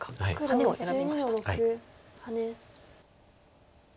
ハネを選びました。